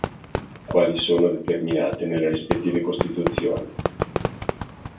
Quali sono determinate nelle rispettive costituzioni.